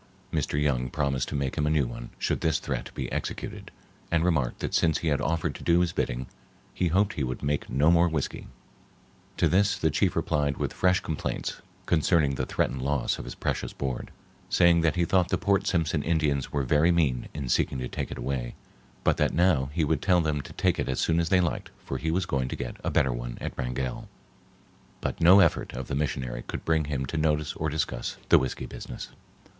Mr. Young promised to make him a new one, should this threat be executed, and remarked that since he had offered to do his bidding he hoped he would make no more whiskey. To this the chief replied with fresh complaints concerning the threatened loss of his precious board, saying that he thought the Port Simpson Indians were very mean in seeking to take it away, but that now he would tell them to take it as soon as they liked for he was going to get a better one at Wrangell. But no effort of the missionary could bring him to notice or discuss the whiskey business.